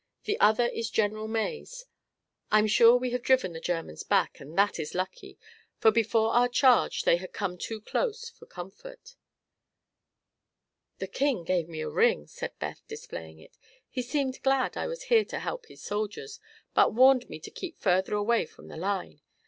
The other is General Mays. I'm sure we have driven the Germans back, and that is lucky, for before our charge they had come too close for comfort." "The king gave me a ring," said Beth, displaying it. "He seemed glad I was here to help his soldiers, but warned me to keep further away from the line.